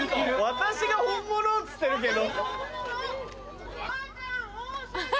「私が本物」っつってるけど。